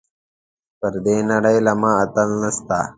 پر دې نړۍ له ما اتل نشته .